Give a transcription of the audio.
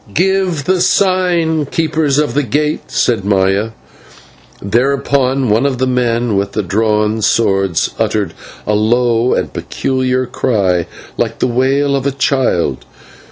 "Give the sign, keepers of the gate," said Maya. Thereupon one of the men with the drawn swords uttered a low and peculiar cry like to the wail of a child.